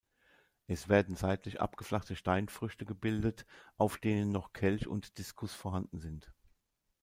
Es werden seitlich abgeflachte Steinfrüchte gebildet, auf denen noch Kelch und Diskus vorhanden sind.